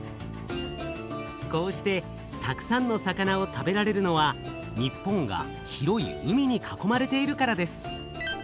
こうしてたくさんの魚を食べられるのは日本が広い海に囲まれているからです。